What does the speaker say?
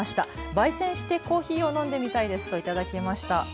ばい煎してコーヒーを飲んでみたいですと頂きました。